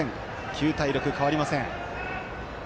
９対６、変わりません。